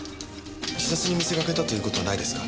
自殺に見せかけたという事はないですか？